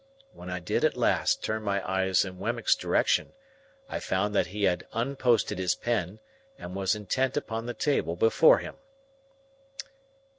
When I did at last turn my eyes in Wemmick's direction, I found that he had unposted his pen, and was intent upon the table before him.